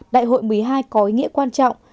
đại hội một mươi hai có ý nghĩa quan trọng